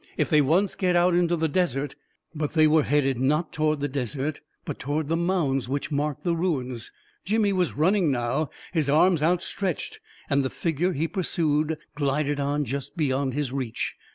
If they once get out into the des ert ..." But they were headed not toward the desert, but toward the mounds which marked the ruins. Jimmy was running now, his arms outstretched; and the figure he pursued glided on just beyond his reach.